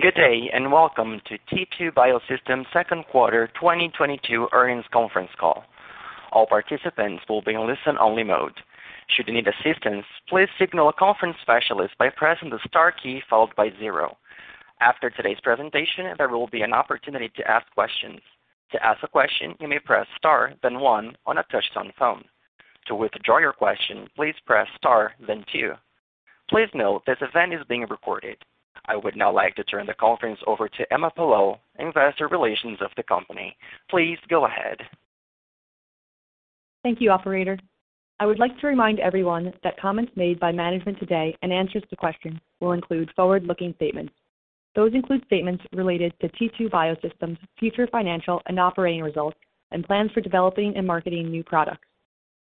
Good day, and welcome to T2 Biosystems' Second Quarter 2022 Earnings Conference Call. All participants will be in listen-only mode. Should you need assistance, please signal a conference specialist by pressing the star key followed by zero. After today's presentation, there will be an opportunity to ask questions. To ask a question, you may press star then one on a touchtone phone. To withdraw your question, please press star then two. Please note this event is being recorded. I would now like to turn the conference over to Philip Trip Taylor, Investor Relations of the company. Please go ahead. Thank you, operator. I would like to remind everyone that comments made by management today and answers to questions will include forward-looking statements. Those include statements related to T2 Biosystems' future financial and operating results and plans for developing and marketing new products.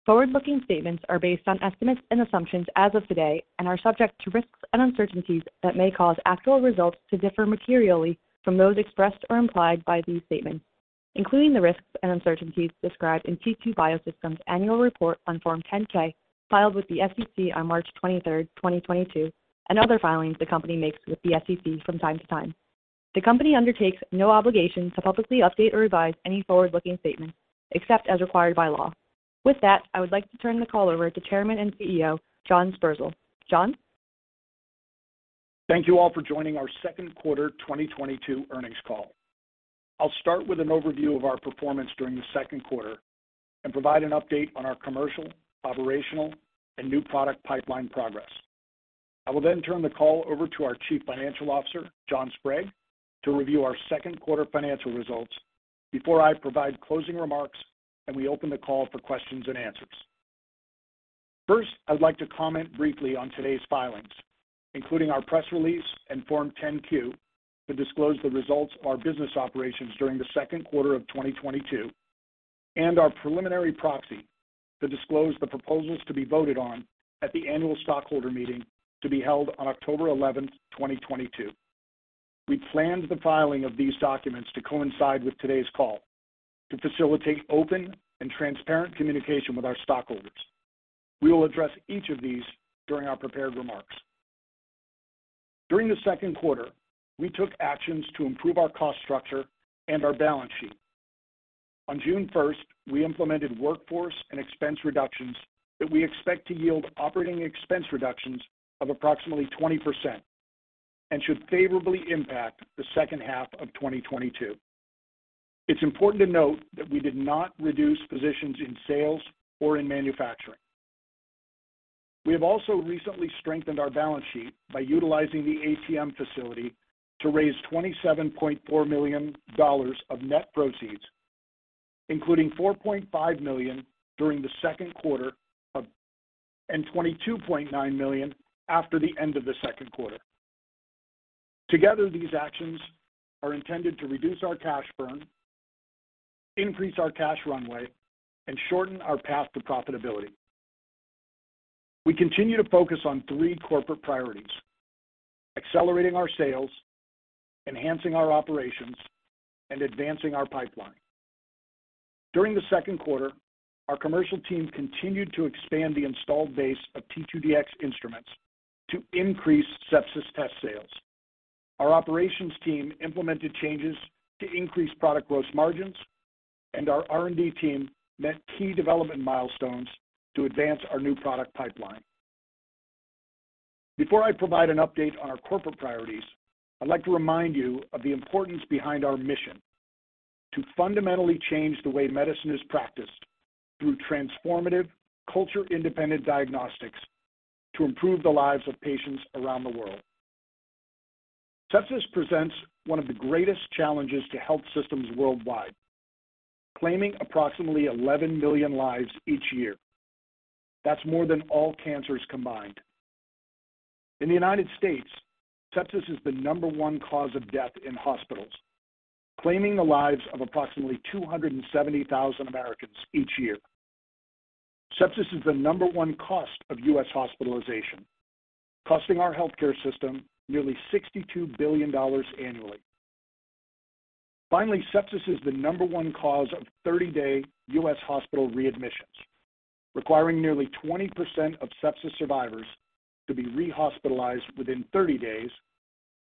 Forward-looking statements are based on estimates and assumptions as of today and are subject to risks and uncertainties that may cause actual results to differ materially from those expressed or implied by these statements, including the risks and uncertainties described in T2 Biosystems' annual report on Form 10-K filed with the SEC on March 23, 2022, and other filings the company makes with the SEC from time to time. The company undertakes no obligation to publicly update or revise any forward-looking statements except as required by law. With that, I would like to turn the call over to Chairman and CEO, John Sperzel. John. Thank you all for joining our second quarter 2022 earnings call. I'll start with an overview of our performance during the second quarter and provide an update on our commercial, operational, and new product pipeline progress. I will then turn the call over to our Chief Financial Officer, John Sprague, to review our second quarter financial results before I provide closing remarks and we open the call for questions and answers. First, I'd like to comment briefly on today's filings, including our press release and Form 10-Q to disclose the results of our business operations during the second quarter of 2022 and our preliminary proxy to disclose the proposals to be voted on at the annual stockholder meeting to be held on October 11, 2022. We planned the filing of these documents to coincide with today's call to facilitate open and transparent communication with our stockholders. We will address each of these during our prepared remarks. During the second quarter, we took actions to improve our cost structure and our balance sheet. On June first, we implemented workforce and expense reductions that we expect to yield operating expense reductions of approximately 20% and should favorably impact the second half of 2022. It's important to note that we did not reduce positions in sales or in manufacturing. We have also recently strengthened our balance sheet by utilizing the ATM facility to raise $27.4 million of net proceeds, including $4.5 million during the second quarter of 2022, and $22.9 million after the end of the second quarter. Together, these actions are intended to reduce our cash burn, increase our cash runway, and shorten our path to profitability. We continue to focus on three corporate priorities, accelerating our sales, enhancing our operations, and advancing our pipeline. During the second quarter, our commercial team continued to expand the installed base of T2Dx instruments to increase sepsis test sales. Our operations team implemented changes to increase product gross margins, and our R&D team met key development milestones to advance our new product pipeline. Before I provide an update on our corporate priorities, I'd like to remind you of the importance behind our mission to fundamentally change the way medicine is practiced through transformative culture-independent diagnostics to improve the lives of patients around the world. Sepsis presents one of the greatest challenges to health systems worldwide, claiming approximately 11 million lives each year. That's more than all cancers combined. In the United States, sepsis is the number one cause of death in hospitals, claiming the lives of approximately 270,000 Americans each year. Sepsis is the number one cost of U.S. hospitalization, costing our healthcare system nearly $62 billion annually. Finally, sepsis is the number one cause of 30-day U.S. hospital readmissions, requiring nearly 20% of sepsis survivors to be rehospitalized within 30 days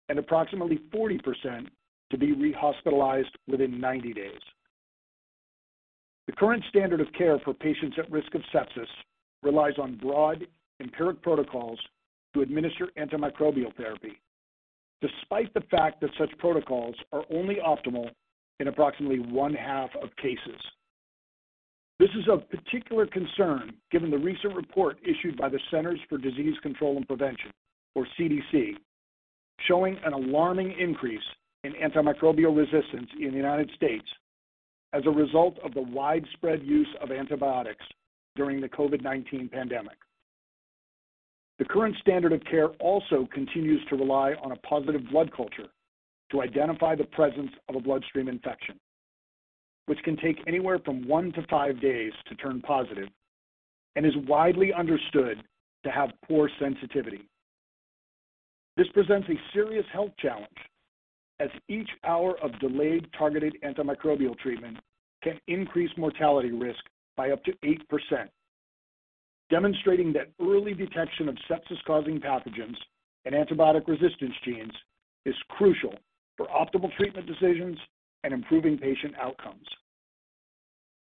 and approximately 40% to be rehospitalized within 90 days. The current standard of care for patients at risk of sepsis relies on broad empiric protocols to administer antimicrobial therapy, despite the fact that such protocols are only optimal in approximately one-half of cases. This is of particular concern given the recent report issued by the Centers for Disease Control and Prevention, or CDC, showing an alarming increase in antimicrobial resistance in the United States as a result of the widespread use of antibiotics during the COVID-19 pandemic. The current standard of care also continues to rely on a positive blood culture to identify the presence of a bloodstream infection, which can take anywhere from 1 to 5 days to turn positive and is widely understood to have poor sensitivity. This presents a serious health challenge as each hour of delayed targeted antimicrobial treatment can increase mortality risk by up to 8%. Demonstrating that early detection of sepsis-causing pathogens and antibiotic resistance genes is crucial for optimal treatment decisions and improving patient outcomes.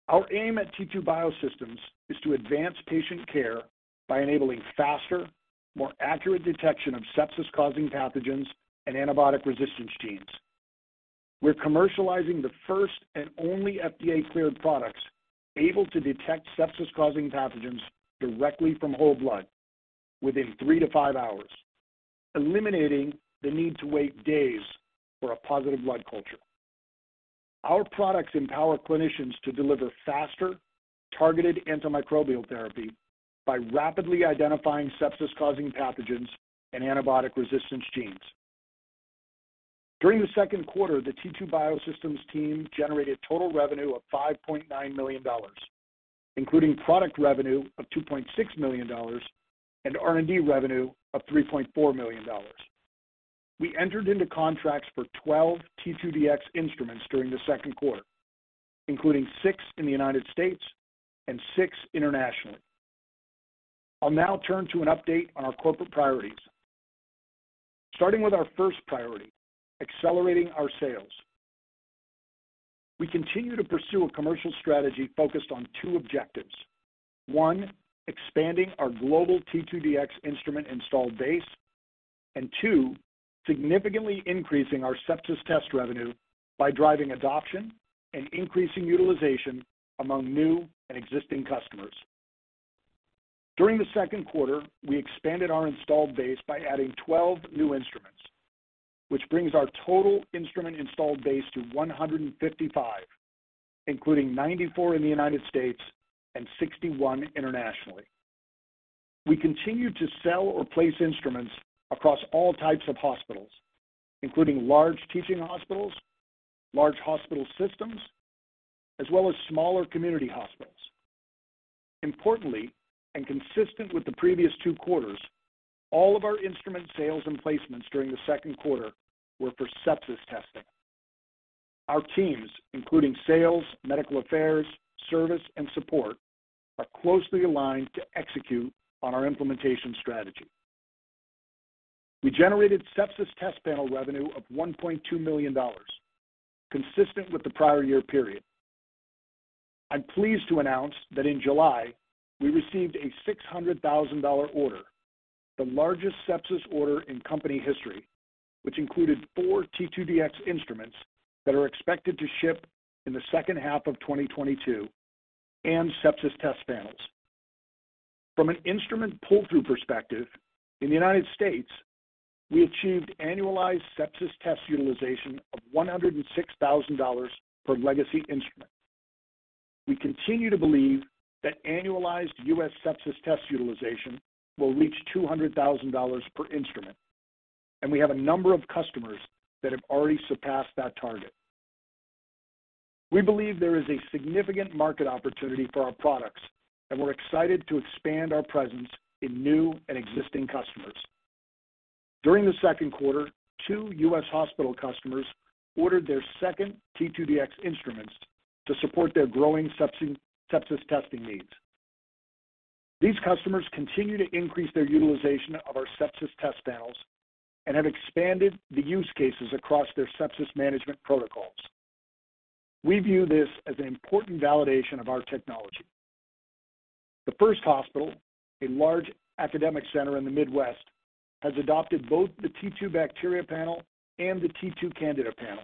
Our aim at T2 Biosystems is to advance patient care by enabling faster, more accurate detection of sepsis-causing pathogens and antibiotic resistance genes. We're commercializing the first and only FDA-cleared products able to detect sepsis-causing pathogens directly from whole blood within 3 to 5 hours, eliminating the need to wait days for a positive blood culture. Our products empower clinicians to deliver faster, targeted antimicrobial therapy by rapidly identifying sepsis-causing pathogens and antibiotic resistance genes. During the second quarter, the T2 Biosystems team generated total revenue of $5.9 million, including product revenue of $2.6 million and R&D revenue of $3.4 million. We entered into contracts for 12 T2Dx instruments during the second quarter, including six in the United States and six internationally. I'll now turn to an update on our corporate priorities. Starting with our first priority, accelerating our sales. We continue to pursue a commercial strategy focused on two objectives. One, expanding our global T2Dx instrument installed base, and two, significantly increasing our sepsis test revenue by driving adoption and increasing utilization among new and existing customers. During the second quarter, we expanded our installed base by adding 12 new instruments, which brings our total instrument installed base to 155, including 94 in the United States and 61 internationally. We continue to sell or place instruments across all types of hospitals, including large teaching hospitals, large hospital systems, as well as smaller community hospitals. Importantly, and consistent with the previous two quarters, all of our instrument sales and placements during the second quarter were for sepsis testing. Our teams, including sales, medical affairs, service, and support, are closely aligned to execute on our implementation strategy. We generated sepsis test panel revenue of $1.2 million, consistent with the prior year period. I'm pleased to announce that in July, we received a $600,000 order, the largest sepsis order in company history, which included four T2Dx instruments that are expected to ship in the second half of 2022 and sepsis test panels. From an instrument pull-through perspective, in the United States, we achieved annualized sepsis test utilization of $106,000 per legacy instrument. We continue to believe that annualized U.S. sepsis test utilization will reach $200,000 per instrument, and we have a number of customers that have already surpassed that target. We believe there is a significant market opportunity for our products, and we're excited to expand our presence in new and existing customers. During the second quarter, two U.S. hospital customers ordered their second T2Dx instruments to support their growing sepsis testing needs. These customers continue to increase their utilization of our sepsis test panels and have expanded the use cases across their sepsis management protocols. We view this as an important validation of our technology. The first hospital, a large academic center in the Midwest, has adopted both the T2Bacteria Panel and the T2Candida Panel.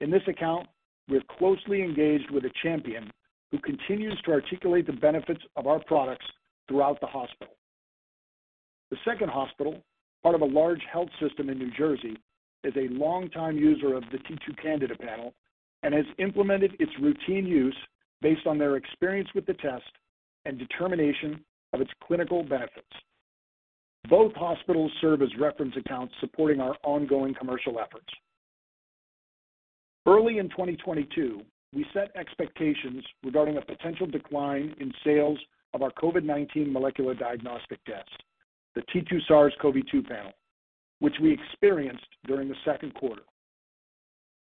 In this account, we are closely engaged with a champion who continues to articulate the benefits of our products throughout the hospital. The second hospital, part of a large health system in New Jersey, is a longtime user of the T2Candida Panel and has implemented its routine use based on their experience with the test and determination of its clinical benefits. Both hospitals serve as reference accounts supporting our ongoing commercial efforts. Early in 2022, we set expectations regarding a potential decline in sales of our COVID-19 molecular diagnostic test, the T2SARS-CoV-2 Panel, which we experienced during the second quarter.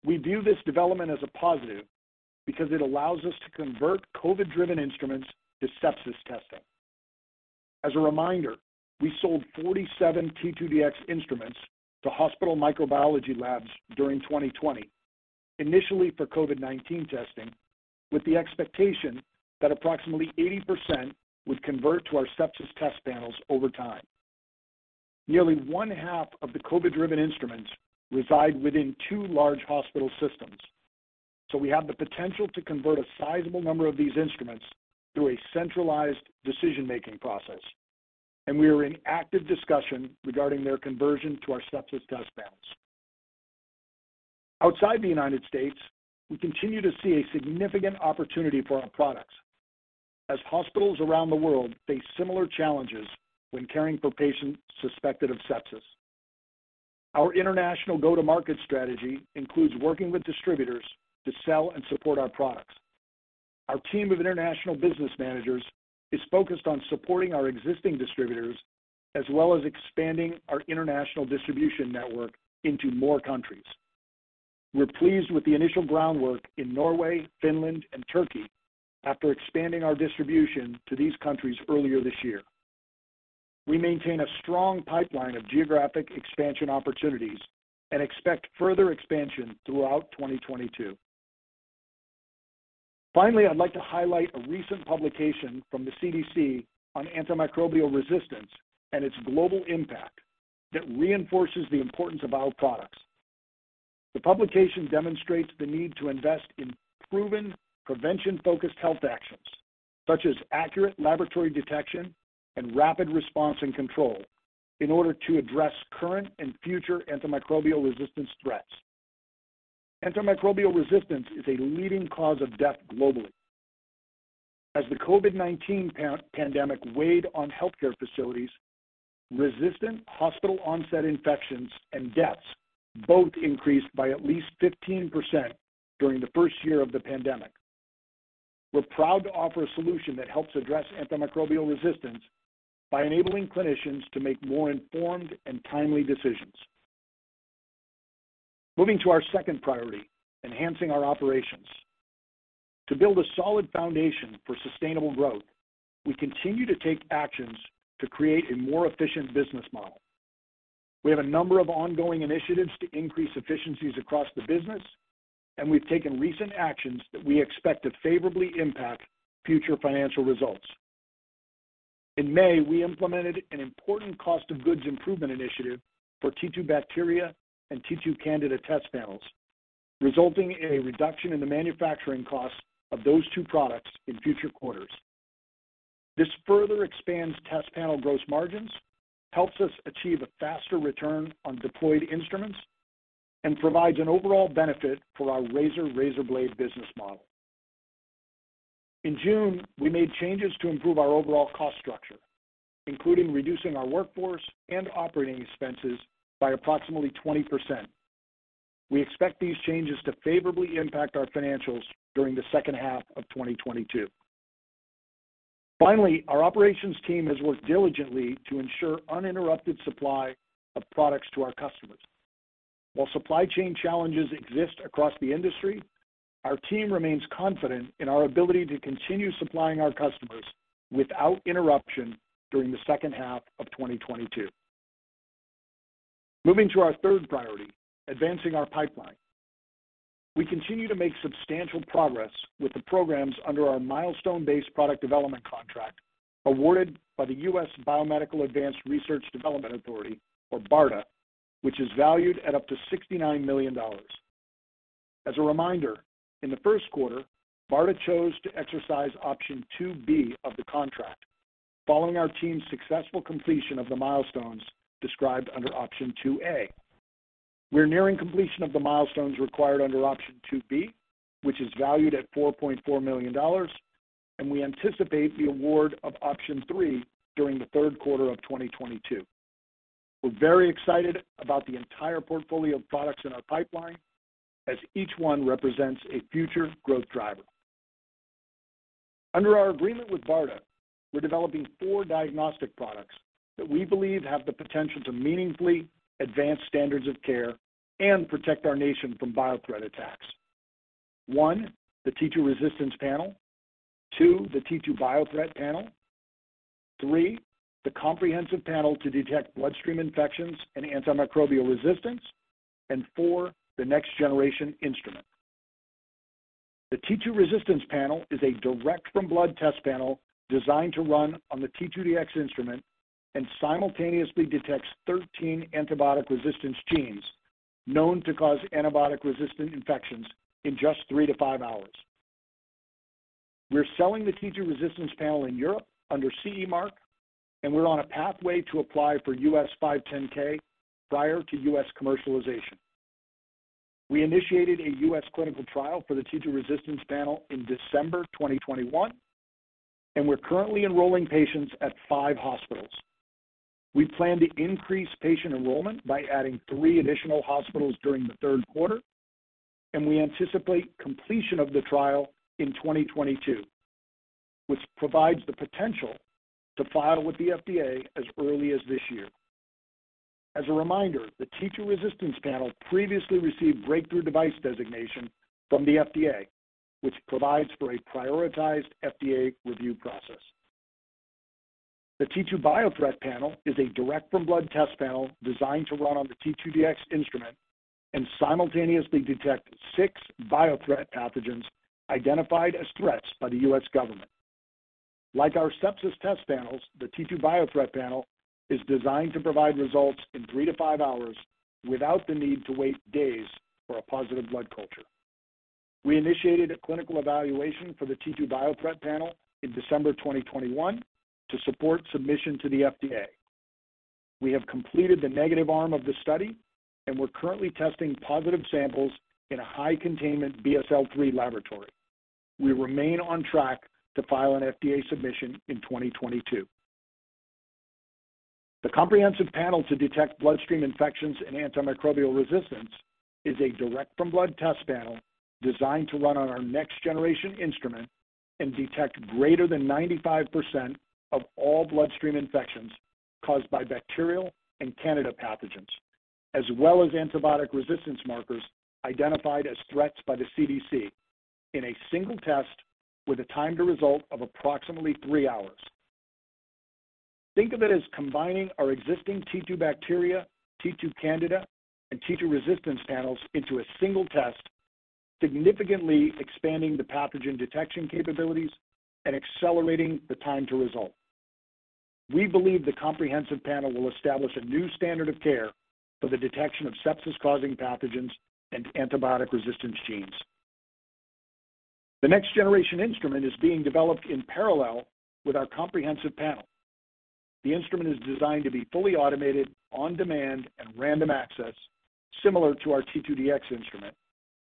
We view this development as a positive because it allows us to convert COVID-driven instruments to sepsis testing. As a reminder, we sold 47 T2Dx Instruments to hospital microbiology labs during 2020, initially for COVID-19 testing, with the expectation that approximately 80% would convert to our sepsis test panels over time. Nearly one-half of the COVID-driven instruments reside within two large hospital systems, so we have the potential to convert a sizable number of these instruments through a centralized decision-making process, and we are in active discussion regarding their conversion to our sepsis test panels. Outside the United States, we continue to see a significant opportunity for our products as hospitals around the world face similar challenges when caring for patients suspected of sepsis. Our international go-to-market strategy includes working with distributors to sell and support our products. Our team of international business managers is focused on supporting our existing distributors as well as expanding our international distribution network into more countries. We're pleased with the initial groundwork in Norway, Finland, and Turkey after expanding our distribution to these countries earlier this year. We maintain a strong pipeline of geographic expansion opportunities and expect further expansion throughout 2022. Finally, I'd like to highlight a recent publication from the CDC on antimicrobial resistance and its global impact that reinforces the importance of our products. The publication demonstrates the need to invest in proven prevention-focused health actions such as accurate laboratory detection and rapid response and control in order to address current and future antimicrobial resistance threats. Antimicrobial resistance is a leading cause of death globally. As the COVID-19 pan-pandemic weighed on healthcare facilities, resistant hospital-onset infections and deaths both increased by at least 15% during the first year of the pandemic. We're proud to offer a solution that helps address antimicrobial resistance by enabling clinicians to make more informed and timely decisions. Moving to our second priority, enhancing our operations. To build a solid foundation for sustainable growth, we continue to take actions to create a more efficient business model. We have a number of ongoing initiatives to increase efficiencies across the business, and we've taken recent actions that we expect to favorably impact future financial results. In May, we implemented an important cost of goods improvement initiative for T2Bacteria and T2Candida test panels, resulting in a reduction in the manufacturing cost of those two products in future quarters. This further expands test panel gross margins, helps us achieve a faster return on deployed instruments, and provides an overall benefit for our razor-razor blade business model. In June, we made changes to improve our overall cost structure, including reducing our workforce and operating expenses by approximately 20%. We expect these changes to favorably impact our financials during the second half of 2022. Our operations team has worked diligently to ensure uninterrupted supply of products to our customers. While supply chain challenges exist across the industry, our team remains confident in our ability to continue supplying our customers without interruption during the second half of 2022. Moving to our third priority, advancing our pipeline. We continue to make substantial progress with the programs under our milestone-based product development contract awarded by the U.S. Biomedical Advanced Research and Development Authority, or BARDA, which is valued at up to $69 million. As a reminder, in the first quarter, BARDA chose to exercise option two B of the contract following our team's successful completion of the milestones described under option two A. We're nearing completion of the milestones required under option two B, which is valued at $4.4 million, and we anticipate the award of Option three during the third quarter of 2022. We're very excited about the entire portfolio of products in our pipeline as each one represents a future growth driver. Under our agreement with BARDA, we're developing four diagnostic products that we believe have the potential to meaningfully advance standards of care and protect our nation from biothreat attacks. One, the T2Resistance Panel. Two, the T2Biothreat Panel. Three, the comprehensive panel to detect bloodstream infections and antimicrobial resistance. And four, the next-generation instrument. The T2Resistance Panel is a direct from blood test panel designed to run on the T2Dx Instrument and simultaneously detects 13 antibiotic resistance genes known to cause antibiotic-resistant infections in just 3 to 5 hours. We're selling the T2Resistance Panel in Europe under CE mark, and we're on a pathway to apply for U.S. 510(k) prior to U.S. commercialization. We initiated a U.S. clinical trial for the T2Resistance Panel in December 2021, and we're currently enrolling patients at 5 hospitals. We plan to increase patient enrollment by adding three additional hospitals during the third quarter, and we anticipate completion of the trial in 2022, which provides the potential to file with the FDA as early as this year. As a reminder, the T2Resistance Panel previously received Breakthrough Device designation from the FDA, which provides for a prioritized FDA review process. The T2Biothreat Panel is a direct-from-blood test panel designed to run on the T2Dx Instrument and simultaneously detect six biothreat pathogens identified as threats by the U.S. government. Like our sepsis test panels, the T2Biothreat Panel is designed to provide results in three to five hours without the need to wait days for a positive blood culture. We initiated a clinical evaluation for the T2Biothreat Panel in December 2021 to support submission to the FDA. We have completed the negative arm of the study, and we're currently testing positive samples in a high-containment BSL-3 laboratory. We remain on track to file an FDA submission in 2022. The comprehensive panel to detect bloodstream infections and antimicrobial resistance is a direct-from-blood test panel designed to run on our next-generation instrument and detect greater than 95% of all bloodstream infections caused by bacterial and Candida pathogens, as well as antibiotic resistance markers identified as threats by the CDC in a single test with a time to result of approximately 3 hours. Think of it as combining our existing T2Bacteria, T2Candida, and T2Resistance panels into a single test, significantly expanding the pathogen detection capabilities and accelerating the time to result. We believe the comprehensive panel will establish a new standard of care for the detection of sepsis-causing pathogens and antibiotic resistance genes. The next-generation instrument is being developed in parallel with our comprehensive panel. The instrument is designed to be fully automated, on-demand, and random access, similar to our T2Dx Instrument,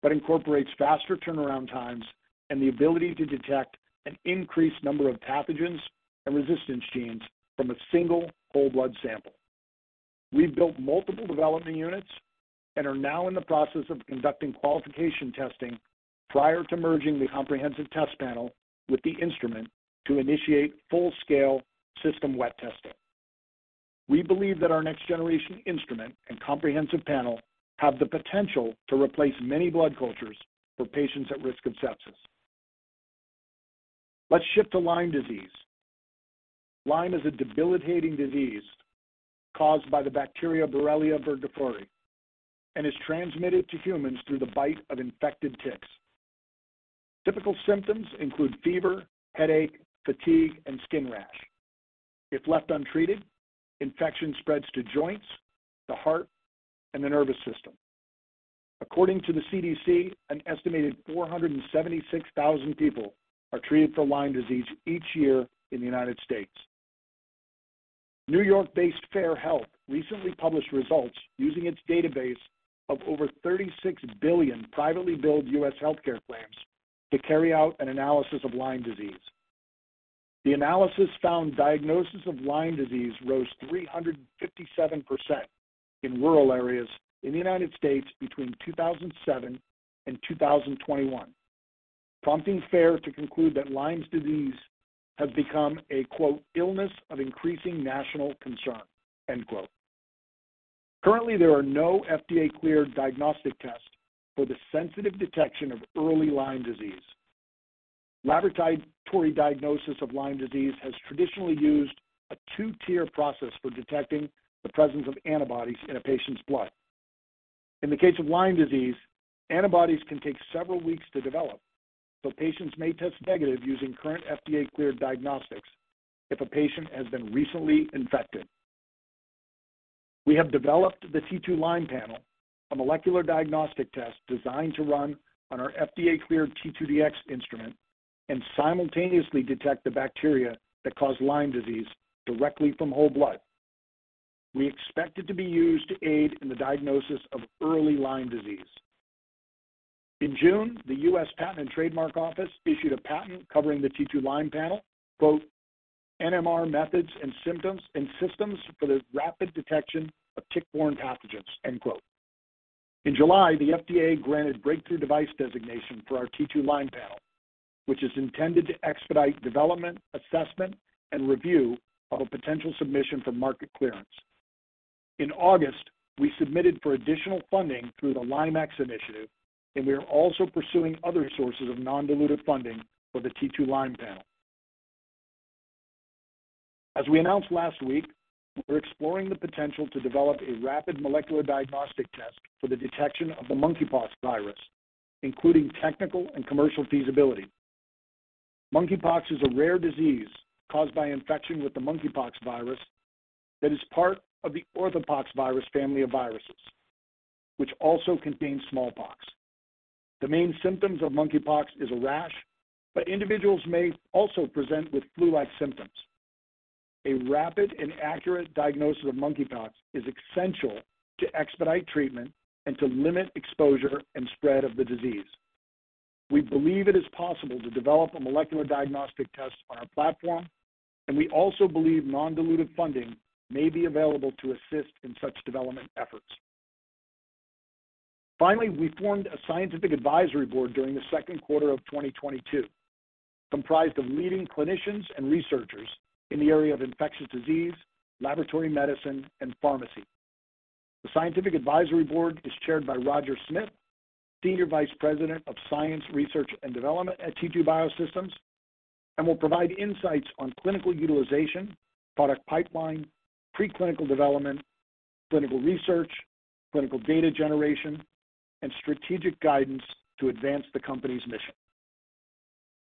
but incorporates faster turnaround times and the ability to detect an increased number of pathogens and resistance genes from a single whole blood sample. We've built multiple development units and are now in the process of conducting qualification testing prior to merging the comprehensive test panel with the instrument to initiate full-scale system wet testing. We believe that our next-generation instrument and comprehensive panel have the potential to replace many blood cultures for patients at risk of sepsis. Let's shift to Lyme disease. Lyme is a debilitating disease caused by the bacteria Borrelia burgdorferi and is transmitted to humans through the bite of infected ticks. Typical symptoms include fever, headache, fatigue, and skin rash. If left untreated, infection spreads to joints, the heart, and the nervous system. According to the CDC, an estimated 476,000 people are treated for Lyme disease each year in the United States. New York-based FAIR Health recently published results using its database of over 36 billion privately billed U.S. healthcare claims to carry out an analysis of Lyme disease. The analysis found diagnosis of Lyme disease rose 357% in rural areas in the United States between 2007 and 2021, prompting FAIR Health to conclude that Lyme disease has become a, quote, illness of increasing national concern, end quote. Currently, there are no FDA-cleared diagnostic tests for the sensitive detection of early Lyme disease. Laboratory diagnosis of Lyme disease has traditionally used a two-tier process for detecting the presence of antibodies in a patient's blood. In the case of Lyme disease, antibodies can take several weeks to develop, so patients may test negative using current FDA-cleared diagnostics if a patient has been recently infected. We have developed the T2Lyme Panel, a molecular diagnostic test designed to run on our FDA-cleared T2Dx Instrument and simultaneously detect the bacteria that cause Lyme disease directly from whole blood. We expect it to be used to aid in the diagnosis of early Lyme disease. In June, the U.S. Patent and Trademark Office issued a patent covering the T2Lyme Panel, quote, NMR methods and systems for the rapid detection of tick-borne pathogens, end quote. In July, the FDA granted Breakthrough Device designation for our T2Lyme Panel, which is intended to expedite development, assessment, and review of a potential submission for market clearance. In August, we submitted for additional funding through the Lyme X initiative, and we are also pursuing other sources of non-dilutive funding for the T2Lyme Panel. As we announced last week, we're exploring the potential to develop a rapid molecular diagnostic test for the detection of the monkeypox virus, including technical and commercial feasibility. Monkeypox is a rare disease caused by infection with the monkeypox virus that is part of the Orthopoxvirus family of viruses, which also contains smallpox. The main symptoms of monkeypox is a rash, but individuals may also present with flu-like symptoms. A rapid and accurate diagnosis of monkeypox is essential to expedite treatment and to limit exposure and spread of the disease. We believe it is possible to develop a molecular diagnostic test on our platform, and we also believe non-dilutive funding may be available to assist in such development efforts. Finally, we formed a scientific advisory board during the second quarter of 2022, comprised of leading clinicians and researchers in the area of infectious disease, laboratory medicine, and pharmacy. The scientific advisory board is chaired by Roger Smith, Senior Vice President of Science, Research, and Development at T2 Biosystems, and will provide insights on clinical utilization, product pipeline, preclinical development, clinical research, clinical data generation, and strategic guidance to advance the company's mission.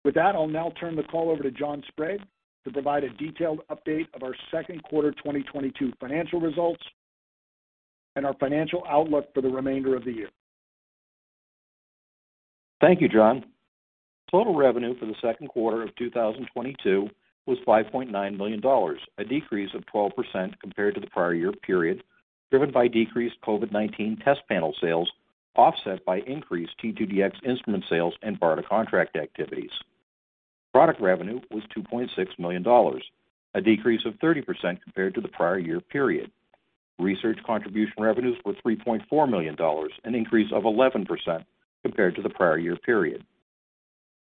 With that, I'll now turn the call over to John Sprague to provide a detailed update of our second quarter 2022 financial results and our financial outlook for the remainder of the year. Thank you, John. Total revenue for the second quarter of 2022 was $5.9 million, a decrease of 12% compared to the prior year period, driven by decreased COVID-19 test panel sales, offset by increased T2Dx instrument sales and BARDA contract activities. Product revenue was $2.6 million, a decrease of 30% compared to the prior year period. Research contribution revenues were $3.4 million, an increase of 11% compared to the prior year period.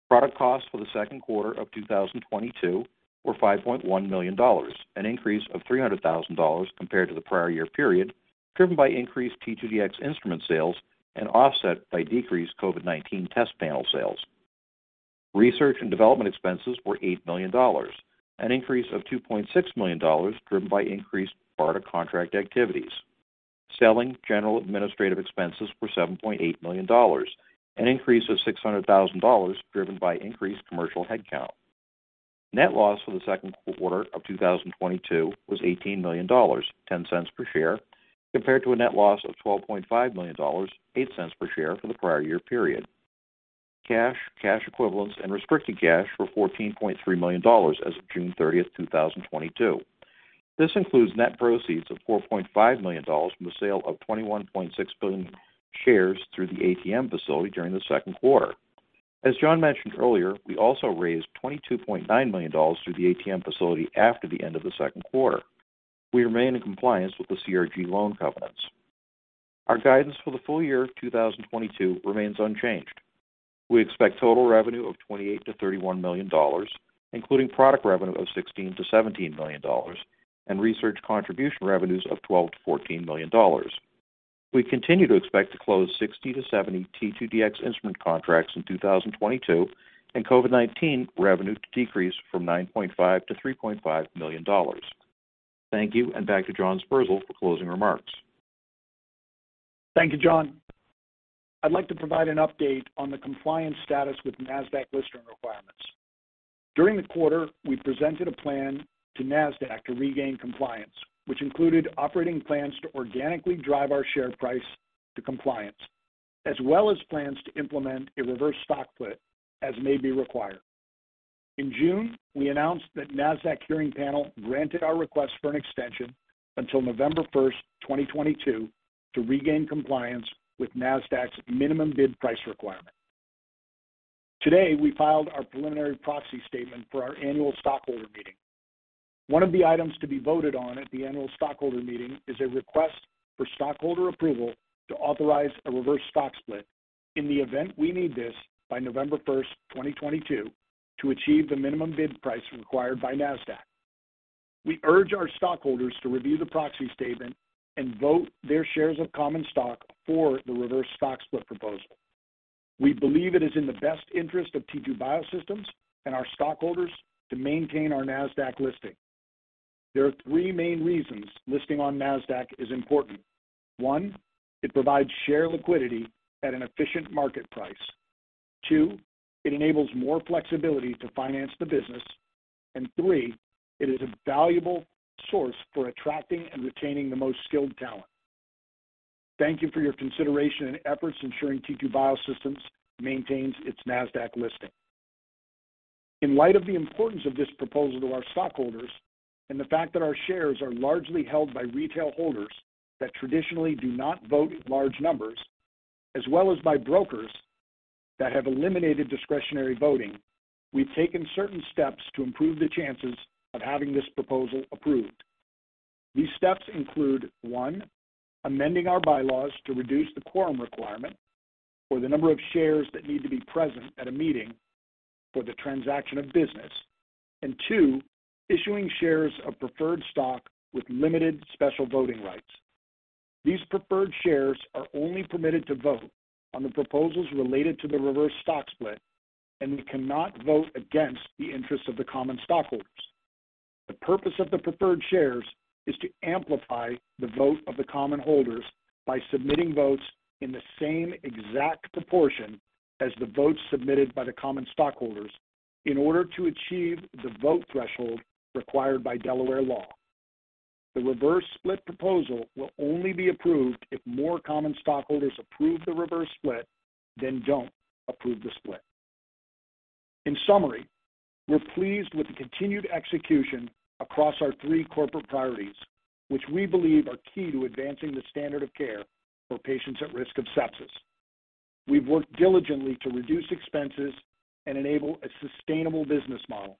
Product costs for the second quarter of 2022 were $5.1 million, an increase of $300,000 compared to the prior year period, driven by increased T2Dx instrument sales and offset by decreased COVID-19 test panel sales. Research and development expenses were $8 million, an increase of $2.6 million driven by increased BARDA contract activities. Selling, general and administrative expenses were $7.8 million, an increase of $600,000 driven by increased commercial headcount. Net loss for the second quarter of 2022 was $18 million, $0.10 per share, compared to a net loss of $12.5 million, $0.08 per share for the prior year period. Cash, cash equivalents and restricted cash were $14.3 million as of June 30, 2022. This includes net proceeds of $4.5 million from the sale of 21.6 billion shares through the ATM facility during the second quarter. As John mentioned earlier, we also raised $22.9 million through the ATM facility after the end of the second quarter. We remain in compliance with the CRG loan covenants. Our guidance for the full year of 2022 remains unchanged. We expect total revenue of $28-$31 million, including product revenue of $16-$17 million and research contribution revenues of $12-$14 million. We continue to expect to close 60 to 70 T2Dx Instrument contracts in 2022 and COVID-19 revenue to decrease from $9.5 million to $3.5 million. Thank you and back to John Sperzel for closing remarks. Thank you, John. I'd like to provide an update on the compliance status with Nasdaq listing requirements. During the quarter, we presented a plan to Nasdaq to regain compliance, which included operating plans to organically drive our share price to compliance, as well as plans to implement a reverse stock split as may be required. In June, we announced that Nasdaq hearing panel granted our request for an extension until November 1, 2022, to regain compliance with Nasdaq's minimum bid price requirement. Today, we filed our preliminary proxy statement for our annual stockholder meeting. One of the items to be voted on at the annual stockholder meeting is a request for stockholder approval to authorize a reverse stock split in the event we need this by November 1, 2022, to achieve the minimum bid price required by Nasdaq. We urge our stockholders to review the proxy statement and vote their shares of common stock for the reverse stock split proposal. We believe it is in the best interest of T2 Biosystems and our stockholders to maintain our Nasdaq listing. There are three main reasons listing on Nasdaq is important. One, it provides share liquidity at an efficient market price. Two, it enables more flexibility to finance the business. Three, it is a valuable source for attracting and retaining the most skilled talent. Thank you for your consideration and efforts ensuring T2 Biosystems maintains its Nasdaq listing. In light of the importance of this proposal to our Stockholders and the fact that our shares are largely held by retail holders that traditionally do not vote in large numbers, as well as by brokers that have eliminated discretionary voting, we've taken certain steps to improve the chances of having this proposal approved. These steps include, one, amending our bylaws to reduce the quorum requirement or the number of shares that need to be present at a meeting for the transaction of business. Two, issuing shares of preferred stock with limited special voting rights. These preferred shares are only permitted to vote on the proposals related to the reverse stock split, and they cannot vote against the interests of the common stockholders. The purpose of the preferred shares is to amplify the vote of the common holders by submitting votes in the same exact proportion as the votes submitted by the common stockholders in order to achieve the vote threshold required by Delaware law. The reverse split proposal will only be approved if more common stockholders approve the reverse split than don't approve the split. In summary, we're pleased with the continued execution across our three corporate priorities, which we believe are key to advancing the standard of care for patients at risk of sepsis. We've worked diligently to reduce expenses and enable a sustainable business model.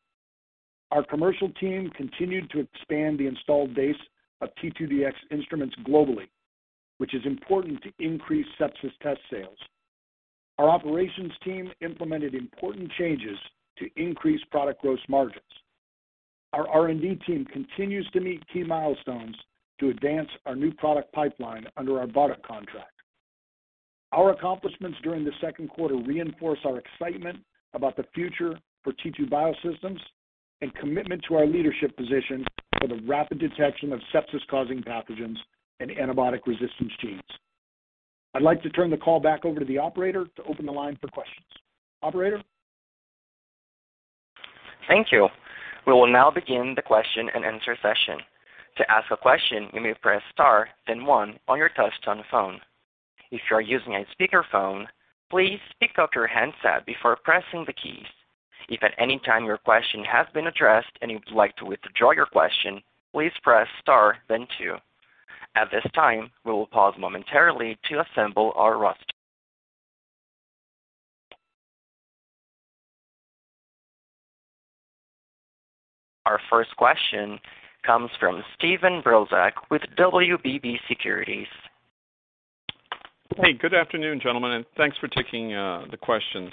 Our commercial team continued to expand the installed base of T2Dx instruments globally, which is important to increase sepsis test sales. Our operations team implemented important changes to increase product gross margins. Our R&D team continues to meet key milestones to advance our new product pipeline under our BARDA contract. Our accomplishments during the second quarter reinforce our excitement about the future for T2 Biosystems and commitment to our leadership position for the rapid detection of sepsis-causing pathogens and antibiotic resistance genes. I'd like to turn the call back over to the operator to open the line for questions. Operator? Thank you. We will now begin the question and answer session. To ask a question, you may press star then one on your touch-tone phone. If you are using a speakerphone, please pick up your handset before pressing the keys. If at any time your question has been addressed and you would like to withdraw your question, please press star then two. At this time, we will pause momentarily to assemble our roster. Our first question comes from Steve Brozak with WBB Securities. Hey, good afternoon, gentlemen, and thanks for taking the questions.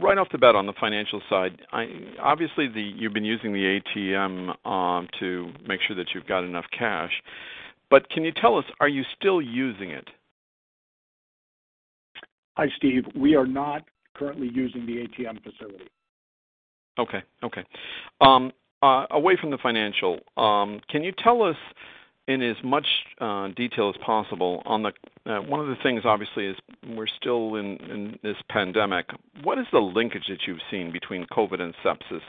Right off the bat on the financial side, obviously you've been using the ATM to make sure that you've got enough cash. Can you tell us, are you still using it? Hi, Steve. We are not currently using the ATM facility. Okay, okay. Away from the financial, can you tell us in as much detail as possible on the one of the things obviously is we're still in this pandemic, what is the linkage that you've seen between COVID and sepsis?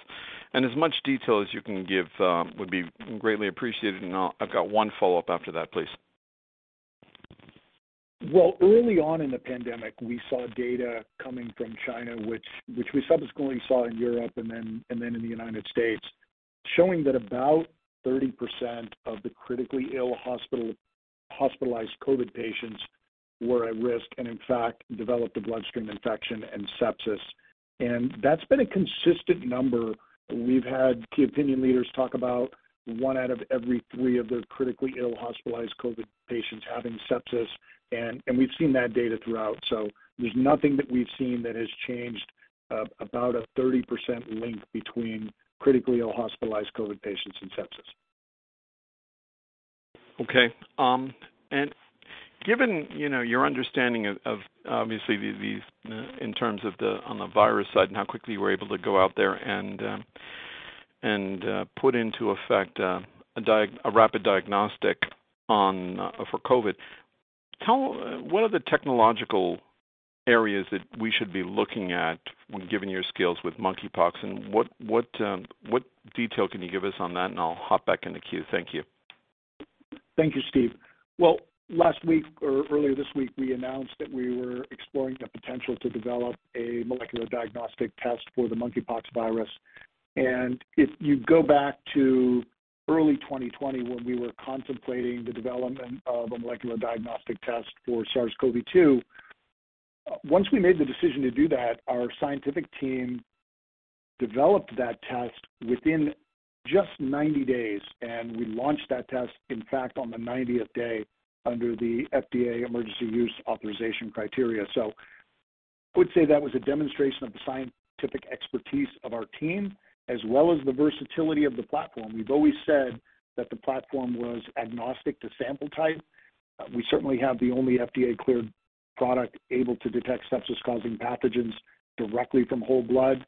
As much detail as you can give would be greatly appreciated. I've got one follow-up after that, please. Well, early on in the pandemic, we saw data coming from China, which we subsequently saw in Europe and then in the United States, showing that about 30% of the critically ill hospitalized COVID patients were at risk and in fact developed a bloodstream infection and sepsis. That's been a consistent number. We've had key opinion leaders talk about one out of every three of the critically ill hospitalized COVID patients having sepsis, and we've seen that data throughout. There's nothing that we've seen that has changed about a 30% link between critically ill hospitalized COVID patients and sepsis. Okay. Given, you know, your understanding of obviously these in terms of the on the virus side and how quickly you were able to go out there and put into effect a rapid diagnostic for COVID, what are the technological areas that we should be looking at when given your skills with monkeypox and what detail can you give us on that? I'll hop back in the queue. Thank you. Thank you, Steve. Well, last week or earlier this week, we announced that we were exploring the potential to develop a molecular diagnostic test for the monkeypox virus. If you go back to early 2020 when we were contemplating the development of a molecular diagnostic test for SARS-CoV-2, once we made the decision to do that, our scientific team developed that test within just 90 days, and we launched that test, in fact, on the 90th day under the FDA Emergency Use Authorization criteria. I would say that was a demonstration of the scientific expertise of our team, as well as the versatility of the platform. We've always said that the platform was agnostic to sample type. We certainly have the only FDA-cleared product able to detect sepsis-causing pathogens directly from whole blood.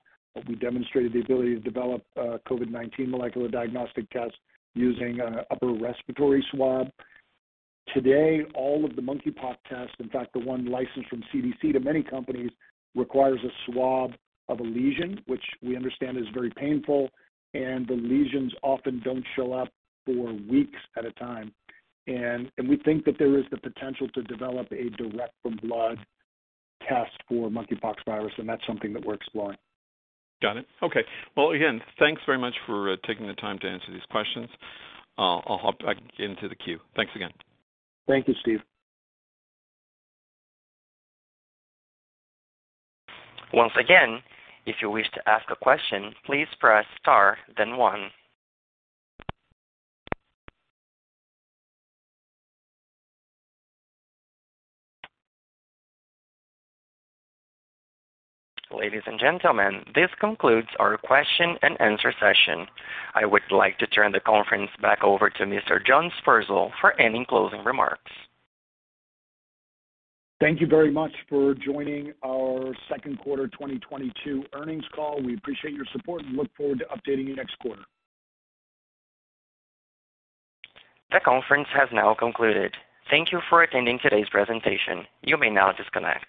We demonstrated the ability to develop, COVID-19 molecular diagnostic test using, upper respiratory swab. Today, all of the monkeypox tests, in fact, the one licensed from CDC to many companies, requires a swab of a lesion, which we understand is very painful, and the lesions often don't show up for weeks at a time. We think that there is the potential to develop a direct from blood test for monkeypox virus, and that's something that we're exploring. Got it. Okay. Well, again, thanks very much for taking the time to answer these questions. I'll hop back into the queue. Thanks again. Thank you, Steve. Once again, if you wish to ask a question, please press Star then one. Ladies and gentlemen, this concludes our question-and-answer session. I would like to turn the conference back over to Mr. John Sperzel for any closing remarks. Thank you very much for joining our second quarter 2022 earnings call. We appreciate your support and look forward to updating you next quarter. The conference has now concluded. Thank you for attending today's presentation. You may now disconnect.